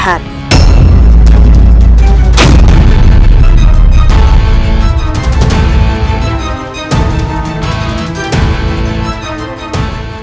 kau akan memaksaku minum racun itu